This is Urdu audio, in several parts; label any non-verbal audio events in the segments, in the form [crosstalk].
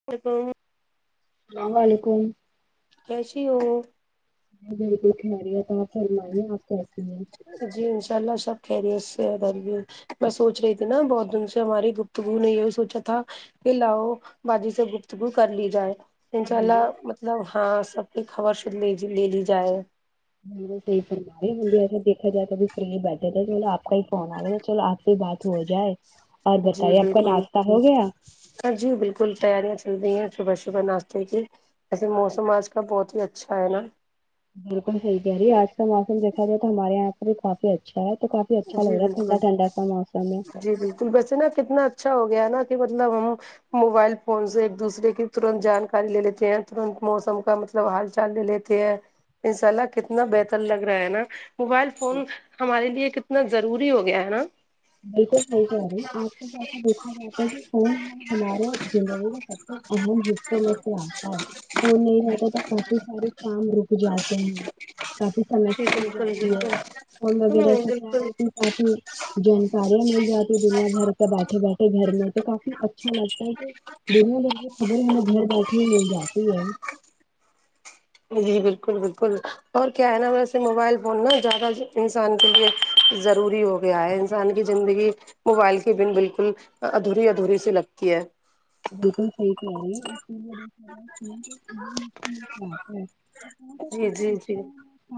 [unintelligible] اسلام علیکم کیسی ہو بالکل خیریت ہے آپ فرمائیے آپ کیسی ہیں جی انشاء اللہ سب خیریت سے ہیں ادھر بھی میں سوچ رہی تھی نا بہت دن سے ہماری گفتگو نہیں ہوی سوچا تھا کہ لاؤ باجی سے گفتگو کر لی جائے انشاء اللہ بالکل مطلب ہاں سب کی خبر سنلی لے لی جائے [unintelligible] ایسے دیکا جائے تو فری بیٹھے تھا چلو آپ کا ہی فون آ گا چلو آپ پھر بات ہو جائے اور بتائیے آپ کا ناشتہ ہو گیا ہاں جی بالکل تیاریاں چل رہی ہیں صبح صبح ناشتے کی ایسے موسم آج کل بہت ہی اچھا ہے نا بالکل صحیح کہہ رہی آج کا موسم دیکھا جائے تو ہمارے یہاں بھی کافی اچھا ہے تو کافی بھی اچھا جی لگ رہا ٹنھڈا بالکل ٹنھڈا کا موسم ہے جی بالکل ویسے نا کتنا اچھا ہو گیا نا کہ مطلب ہم موبائل فون سے ایک دوسرے کی ترنت جانکاری لے لیتے ہیں ترنت موسم کا مط مطلب حال چال لے لیتے ہیں انشاء اللہ کتنا بہتر لگ رہا ہے نا موبائل فون ہمارے لیے اتنا ضروری ہو گیا ہے نا بالکل صحیح کہہ رہی آج کے جیسے دیکھا جاتا ہے کہ کون ہے ہمارے زندگی میں اہم حصوں میں سے آتا ہے وہ نہیں رہتا تھا کافی سارے کام روک جاتے ہیں کافی جی سمسیا ہو بالکل جاتی ہے بالکل فون وغیرہ ہوں سے بالکل کیا کافی جان کاریاں مل جاتی دنیا بھر کے بیٹھے بیٹھے گھر میں تو کافی اچھا لگتا ہے کہ دنیا بھر کی خبر ہمیں گھر بیٹھے ہی مل جاتی ہے [inaudible] جی بالکل بالکل اور کیا ہے نا ویسے موبائل فون نا زیادہ انسان کے لیے ضروری ہو گیا ہے انسان کی زندگی موبائل کی بن بالکل ادھوری ادھوری سی لگتی ہے بالکل صحیح کر رہی ہیں [inaudible] جی جی جی [inaudible] ف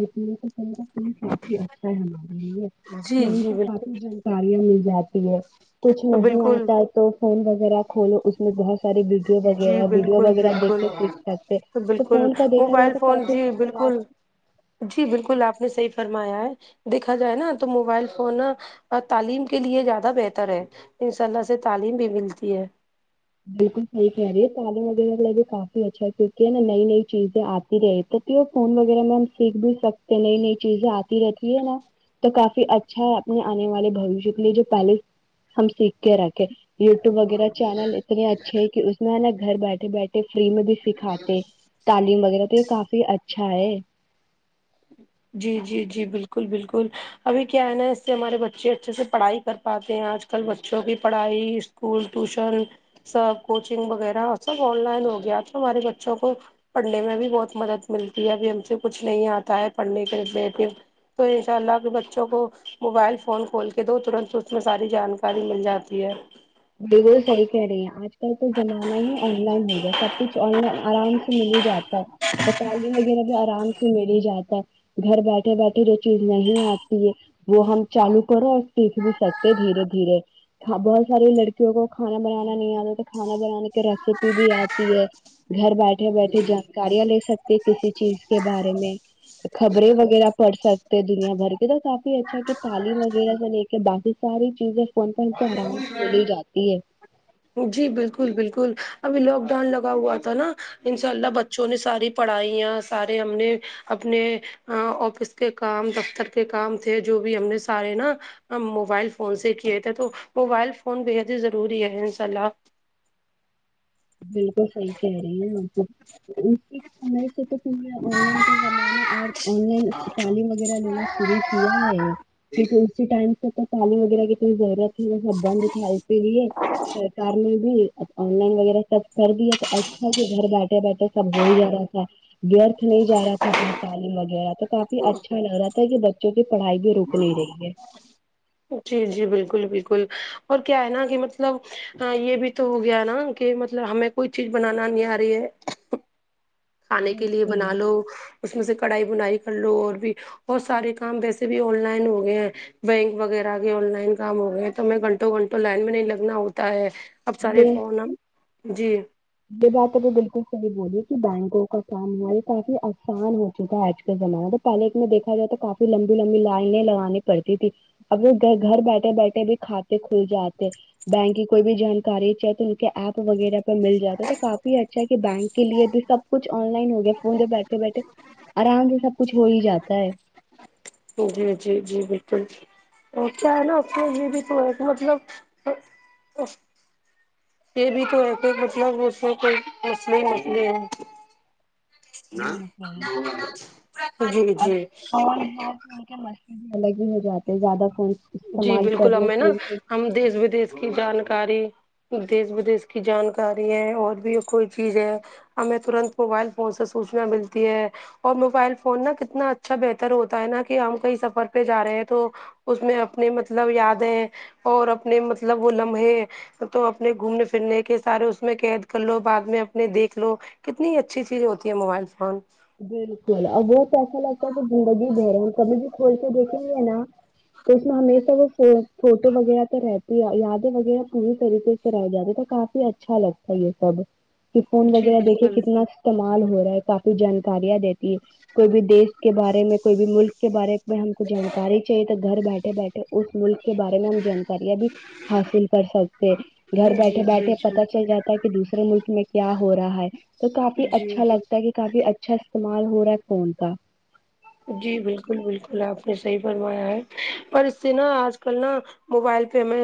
فون کافی اچھا ہے ہمارے لیے جی فون جی پے بالکل کافی جانکاریاں مل جا تی ہے کچھ نہیں بالکل آتا ہے تو فون وغیرہ کھولو اس میں بہت ساری ویڈیو جی وغیرہ ویڈیو بالکل وغیرہ بالکل دیکھتے سیکھ سکتے تو بالکل فون کا دیکھا جائے موبائل تو فون کافی جی اس کے بعد بالکل جی بالکل آپ نے صحیح فرمایا ہے دیکھا جائے نا تو موبائل فون نا اور تعلیم کے لیے زیادہ بہتر ہے انشاءاللہ سے تعلیم بھی ملتی ہے بالکل صحیح کہہ رہی ہے تعلیم وغیرہ بھی کافی اچھا ہے کیونکہ نئی نئی چیزیں آتی رہے تھ یہ فون وغیرہ میں ہم سیکھ بھی سکتے ہیں نئی نئی چیزیں آتی رہتی ہے نا تو کافی اچھا ہے اپنے آنے والے بھویش کے لیے جو پہلے ہم سیکھ کے رکھے یوٹیوب وغیرہ چینل اتنے اچھے ہے کہ اس میں نا گھر بیٹھے بیٹھے فری میں بھی سکھاتے تعلیم وغیرہ تو کافی اچھا ہے جی جی جی بالکل بالکل ابھی کیا ہے نا اس سے ہمارے بچے اچھے سے پڑھائی کر پاتے ہیں آج کل بچوں کی پڑھائی اسکول ٹیوشن سب کوچنگ وغیرہ سب آن لائن ہو گیا تو ہمارے بچوں کو پڑھنے میں بھی بہت مدد ملتی ہے ابھی ہم سے کچھ نہیں آتا ہے پڑھنے کے لی تو انشاء اللہ اپنے بچوں کو موبائل فون کھول کے دو ترنت اس میں ساری جانکاری کاری مل جاتی ہے بالکل صحیح کہہ رہی ہیں آج تر تو زمانہ ہی آن لائن ہو گیا ہے سب کچھ آن لائن آرام سے مل ہی جاتا ہے تو تعلیم وغیرہ بھی آرام سے مل ہی جاتا ہے گھر بیٹھے بیٹھے جو چیز نہیں آتی ہے وہ ہم چالو کرو اور سیکھ بھی سکتے دھیرے دھیرے بہت سارے لڑ کے کسی کو کھانا بنانا نہیں آتا تو کھانا بنانے کی ریسیپی بھی آتی ہے گھر بیٹھ بیٹھے بیٹھے جانکاریاں لے سکتی کسی چیز کے بارے میں خبریں وغیرہ پڑھ سکتے ہیں دنیا بھر کے تو کافی اچھا ہے کہ تعلیم وغیرہ سے کہ باقی ساری چیزیں فون پر ہم کو آرام سے ملی ہی ہے جاتی ہے جی بالکل بالکل ابھی لاک ڈاؤن لگا ہوا تھا ناں انشاء اللہ بچ بچوں نے ساری پڑھائیاں سارے ہم نے اپنے آفس کے کام دفتر کے کام تھے جو بھی ہم نے سارے ناں ہم موبائل فون سے کیے تھے تو موبائل فون بے حد ہی ضروری ہے انشاء اللہ بالکل صحیح کہہ رہی ہیں ہم کو اس سے کیا گھر سے کھل گیا آن لائن کا زمانہ اور آن لائن تعلیم وغیرہ لینا شروع کیا ہے کیونکہ اسی ٹائم سے تک پانی وغیرہ کی اتنی ضرورت تھی سب بند تھا اس لیے سرکار نے بھی آن لائن وغیرہ تب سردی ہے تو اچھا ہی گھر بیٹھے بیٹھے سب ہو ہی جا رہا تھا ویرتھ نہیں جارہا تھا اپنا تعلیم وغیرہ تو کافی اچھا لگ رہا تھا کہ بچوں کی پڑھائی بھی رک نہیں رہی ہے جی جی بالکل بالکل اور کیا ہے ناں کہ مطلب ہاں یہ بھی تو ہو گیا ناں کہ مطلب ہمیں کوئی چیز بنانا نہیں آرہی ہے کھانے کے لیے بنالو بالکل اس میں سے کڑھائی بنائی کرلو اور بھی اور سارے کام ویسے بھی آن لائن ہوگئے ہیں بینک وغیرہ کے آن لائن کام ہوگیا تو ہمیں گھنٹوں گھنٹوں لائن میں نہیں لگنا ہوتا ہے اب سارے یہ فون ہم جی یہ بات ابھی بالکل صحیح بولی کہ بینکوں کا کام ہماری کافی آسان ہو چکا ہے آج کے زمانے میں پہلے میں دیکھا جائے تو کافی لمبی لمبی لائنیں لگانی پڑتی تھی اب وہ گھ گھر بیٹھے بیٹھے بھی کھاتے کھل جاتے بینک کی کوئی بھی جانکاری چاہے تو کے ایپ وغیرہ پہ مل جاتا ہے تو کافی اچھا کہ بینک کے لیے بھی سب کچھ آن لائن ہو گیا فون پہ بیٹھے بیٹھے آرام سے سب کچھ ہو ہی جاتا ہے جی جی جی بالکل اور کیا ہے ناں اس یہ بھی تو ہے مطلب یہ بھی تو ہے کہ مطلب دوسروں کو اصلی مسلے ہیں بالکل جی اب جی فون ہے ان کے مسلے بھی الگ ہی ہوجاتے ہیں زیادہ فون جی استعمال بالکل کرنے ہمیں ناں سے بھی ہم دیس ودیش کی جانکاری دیس ودیش کی جانکاری ہے اور بھی کوئی چیز ہے ہمیں ترنت موبائل فون سے سوچنا ملتی ہے اور موبائل فون ناں کتنا اچھا بہتر ہوتا ہے ناں کہ ہم کہیں سفر پہ جارہے ہیں تو اس میں اپنے مطلب یادیں اور اپنے مطلب وہ لمحے تو اپنے گھومنے پھرنے کے سارے اس میں قید کر لو بعد میں اپنے دیکھ لو کتنی اچھی چیز ہوتی ہیں موبائل فون بالکل اب وہ تو ایسا لگتا ہے کہ زندگی دھر کبھی بھی کھول کے دیکھیں گے ناں تو اس میں ہمیشہ وہ فوٹو وغیرہ تو رہتی ہے یادیں وغیرہ پوری طریقے سے طرح رہ جاتے تو کافی اچھا لگتا ہے یہ سب کہ فون جی وغیرہ دیکھے بالکل کتنا استعمال ہورہا ہے کافی جانکاریاں دیتی ہے کوئی بھی دیش کے بارے میں کوئی بھی ملک کے بارے میں ہم کو جانکاری چاہیے تو گھر بیٹھے بیٹھے اس ملک کے بارے میں ہم جانکاریاں بھی حاصل کر سکتے گھر بیٹھے جی جی بیٹھے پتا جی چل جاتا ہے کہ دوسرے ملک میں کیا ہو رہا ہے تو کافی جی اچھا لگتا تا کہ کافی اچھا استعمال ہو رہا ہے فون کا جی بالکل بالکل آپ نے صحیح فرمایا ہے پر اس سے نا آج کل نا موبائل پہ میں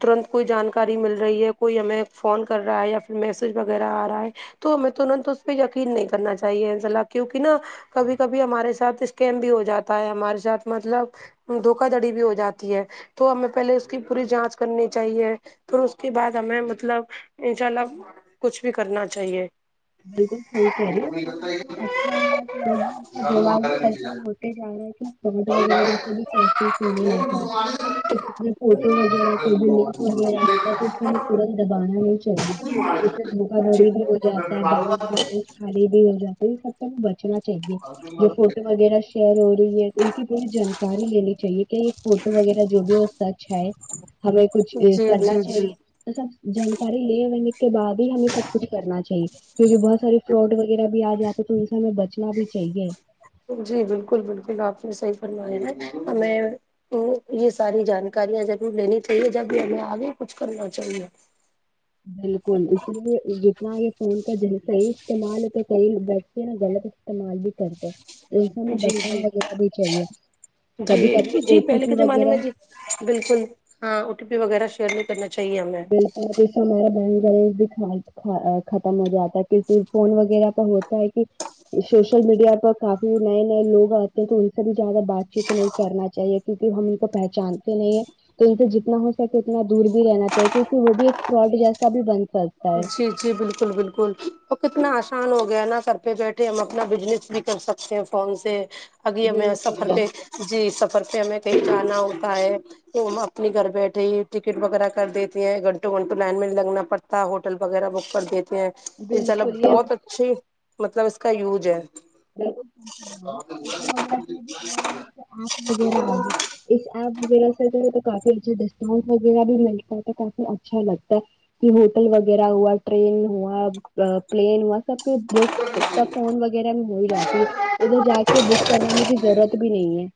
ترنت کوئی جانکاری مل رہی ہے کوئی ہمیں فون کر رہا ہے یا پھر میسج وغیرہ آ رہا ہے تو ہمیں تو نا تو اس پہ یقین نہیں کرنا چاہیے ذرا کیوںکہ نا کبھی کبھی ہمارے ساتھ اسکم بھی ہو جاتا ہے ہمارے ساتھ مطلب دھوکا دھڑی بھی ہو جاتی ہے تو ہمیں پہلے اس کی پوری جانچ کرنی چاہیے پھر اس کے بعد ہمیں مطلب انشاء اللہ کچھ بھی کرنا چاہیے بالکل صحیح کہہ رہی ہے کو جتنا اچھا ہوگا تو لوگ بھی اس کا دماغ بھی ایسا ہی ہوتا طبیت جی وغیرہ ویسے بھی [unintelligible] تو کتنے فوٹو وغیرہ کوئی بھی لنک وغیرہ آتا ہے تو اسے ہمیں ترنت دبانا نہیں چاہیے اس سے دھوکا دھاڑی بھی ہو جاتا ہے بینک بلنس خالی بھی ہو جاتی ہے یہ سب سے ب چنا چاہیے جو فوٹو وغیرہ شیئر ہو رہی ہے ان کی پوری جانکاری لینی چاہیے کیا یہ فوٹو وغیرہ جو بھی سچ ہے ہمیں کچھ اے کرنا جی جی جی چاہیے سب جانکاری لے ہونے کے بعد ہی ہمیں سب کچھ کرنا چاہیے کیونکہ بہت ساری فراڈ وغیرہ بھی آ جاتے ہے تو ان سے ہمیں بچنا بھی چاہیے جی بالکل بالکل آپ نے صحیح فرمایا ہے ہمیں تو یہ ساری جانکاریاں ضرور لینی چاہیے جب بھی ہمیں آگے کچھ کرنا چاہیے بالکل اسی لیے جتنا یہ فون کا جہاں صحیح استعمال ہے تو صحیح بچے نا غلط استعمال بھی کرتے ایسے میں جی بچنا جی وغیرہ بھی چاہیے کبھی کبھی جی او جی ٹی پہلے پی کے زمانے وغیرہ میں جی بالکل ہاں او ٹی پی وغیرہ شیئر نہیں کرنا چاہیے ہمیں اس وجہ سے ہمارے بہن بھائی بھی خرا خ ختم ہو جاتے اور پھر فون وغیرہ کا ہوتا ہے کہ سوشل میڈیا پر کافی نئے نئے لوگ آتے ہیں تو ان سے بھی زیادہ بات چیت نہیں کرنا چاہیے کیونکے ہم ان کو پہچانتے نہیں ہیں تو ان سے جتنا ہو سکے اتنا دور بھی رہنا چاہیے کیونکے وہ بھی ایک فراڈ جیسا بھی بن سک جی جی بال کل بالکل وہ کتنا آسان ہو گیا نا گھر پہ بیٹھے ہم اپنا بزنس بھی کر سکتے ہیں فون سے ابھی ہمیں سفر بالکل پہ جی سفر پہ ہمیں کہیں جانا ہوتا ہے کہ اپنے گھر بیٹھے ہی ٹکٹ وغیرہ کر دیتی ہیں گھنٹوں گھنٹوں لائن میں نہیں لگنا پڑ تا ہوٹل وغیرہ بک کر دیتے ہیں انشا ء اللہ بالکل یہ بہت ا چھی مطلب اس کا یوج ہے [unintelligible] اس ایپ وغیرہ سے جو ہے تو کافی اچھا ڈسکاؤنٹ وغیرہ بھی ملتا ہے تو کافی اچھا لگتا ہے کہ ہوٹل وغیرہ ہوا ٹرین ہوا ا پلین ہوا سب کے بتا فون وغیرہ ہو ہی جاتی ہے ادھر جا کے بک کرانے کی ضرورت بھی نہیں ہے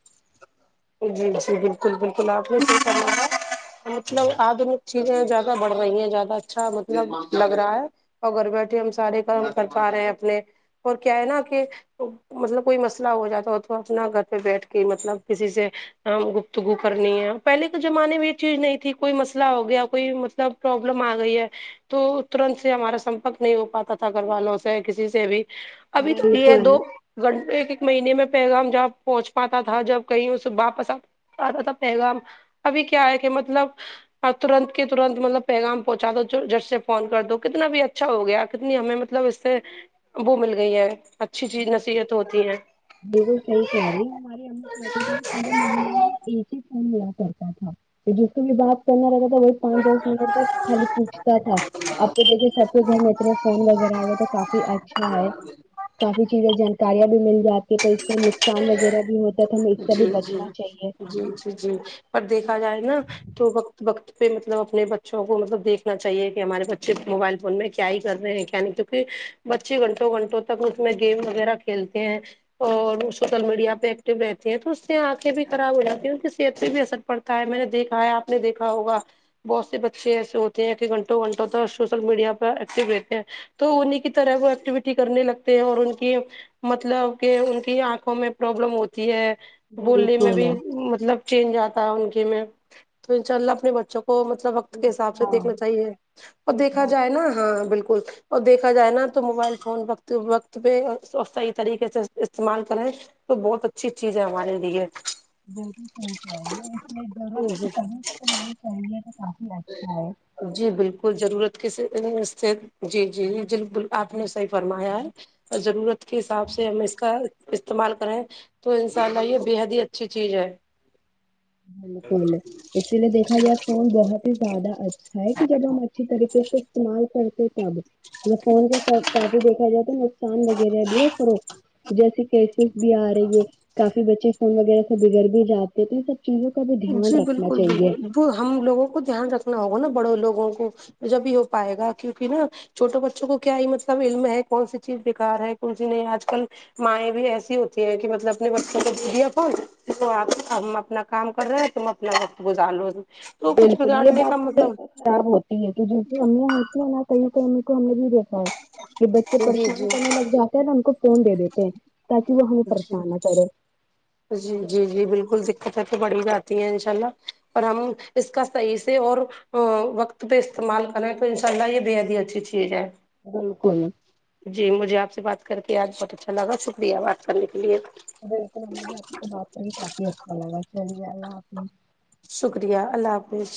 جی جی بالکل بالکل آپ نے صحیح فرمایا مطلب آدھنک چیزیں زیادہ بڑھ رہی ہیں زیادہ اچھا مطلب لگ رہا ہے اور گھر بیٹھے ہم سارے کام کر پا رہے ہیں اپنے اور کیا ہے نا کہ تو مطلب کوئی مسئلہ ہو جاتا ہو تو اپنا گھر پہ بیٹھ کے مطلب کسی سے ہم گفتگو کرنی ہے پہلے کے زمانے میں یہ چیز نہیں تھی کوئی مسئلہ ہو گیا کوئی مطلب پروبلم آ گئی ہے تو ترنت سے ہمارا سمپرک نہیں ہو پاتا تھا گھر والوں سے کسی سے بھی ابھی ہے تو یہ بالکل دو گھنٹ ایک ایک مہینے میں پیغام جہاں پہنچ پاتا تھا جب کہیں اس واپس آ آتا تھا پیغام ابھی کیا ہے کہ مطلب اور ترنت کے ترنت مطلب پیغام پہنچا دو جھٹ سے فون کر دو کتنا بھی اچھا ہو گیا کتنی ہمیں مطلب اس سے وہ مل گئی ہے اچھی چیز نصیحت ہوتی بالکل صحیح کہہ رہی ہو [unintelligible] پورے محلہ میں ایک ہی فون ملا کرتا تھا جس کو بھی بات کرنا رہتا تھا وہ پانچ دس منٹ تک خالی پوچھتا تھا اب تو ہے دیکھیے سب کے گھر میں اتنے فون وغیرہ ہو گئے تو کافی اچھا ہے کافی چیزیں جانکاریاں بھی مل جاتی تو اس سے نقصان وغیرہ بھی ہو لیکن اس سے جی بھی جی بچنا چاہیے جی جی پر دیکھا جائے نا تو وقت وقت پہ مطلب اپنے بچوں کو مطلب دیکھنا چاہیے کہ ہمارے بچے موبائل فون میں کیا ہی کر رہے ہیں نہیں تو پھر بچے گھنٹوں گھنٹوں تک اس میں گیم وغیرہ کھیلتے ہیں اور شوشل میڈیا پہ ایکٹو رہت تو اس سے آنکھیں بھی خراب ہو جاتی ہیں اس کی صحت پہ بھی اثر پڑتا ہے میں نے دیکھا ہے آپ نے دیکھا ہوگا بہت سے بچے ایسے ہوتے ہیں کہ گھنٹوں گھنٹوں ت سوشل میڈیا پے ایکٹو رہتے ہیں تو انہیں کی طرح وہ ایکٹیویٹی کرنے لگتے ہیں اور ان کی مطلب کہ ان کی آنکھوں میں پرابلم ہوتی ہے بولنے میں بالکل بھی مطلب چینج آتا ہے ان کے میں تو ان شاء اللہ اپنے بچوں کو مطلب وقت کے حساب سے ہاں دیکھنا چاہیے اور ایک دیکھا بات جائے نا ہاں بالکل اور دیکھا جائے نا تو موبائل فون وقت وقت پہ اور صحیح طریقے سے استعمال کریں تو بہت اچھی چیز ہے ہمارے لیے بالکل صحیح کہہ رہی ہے اس لیے ضرورت جی تو تبھی تمہاری چاہیے تو کافی اچھا ہے جی بالکل ضرورت کسے نہیں جی جی بالکل آپ نے صحیح فرمایا ہے اور ضرورت کے حساب سے ہم اس کا استعمال کریں تو ان ساء اللہ یہ بے حد ہی اچھی چیز ہے بالکل اسی لیے دیکھا جائے فون بہت ہی زیادہ اچھا ہے کہ جب ہم اچھی طریقے سے استعمال کرتے تب نقصان کے کافی دیکھا جائے تو نقصان وغیرہ بھی ہے فروخت جیسے کہ کیسز بھی آ رہی ہے کافی بچے فون وغیرہ سے بگڑ بھی جاتے ہیں ٹھیک ہے چیزوں کا بھی دھیان رکھنا چاہیے تو ہم لوگوں کو دھیان رکھنا ہوگا نا بڑوں لوگوں کو جب ہی ہو پائے گا کیو نکہ نا چھوٹے بچوں کو کیا ہی مطلب علم ہے کون سی چیز بے کار ہے کون سی نہیں آج کل مائیں بھی ایسی ہوتی ہیں کہ مطلب اپنے بچوں کو دے د یا فون آ ہم اپنا کام کر رہے ہیں تم اپنا وقت گزار لو تو کچھ بالکل یہ بگاڑنے بات کا تو مطلب بالکل خراب ہوتی ہے تو [unintelligible] ج بھی امیاں ہوتی ہیں نہ کہیں کہیں امی کو ہمیں بھی دیک یہ بچے جی پریشان جی کرنے لگ جاتے ہیں تو ہم ان کو فون دے دیتے ہیں تاکہ وہ ہمیں جی پریشان نہ کرے جی جی جی بالکل دقتیں تو بڑھ ہی جاتی ہیں انشاء اللہ پر ہم اس کا صحیح سے اور ا وقت پہ استعمال کریں تو انشاء اللہ یہ بےحد ہی اچھی چیز ہے بالکل جی مجھے آپ سے بات کر کے آج بہت اچھا لگا شکریہ بات کرنے کے لیے بالکل مجھے آپ سے بات کر کے کافی اچھا لگا چلیے اللہ حافظ شکریہ اللہ حافظ